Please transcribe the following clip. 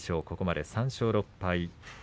ここまで３勝６敗。